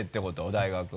大学。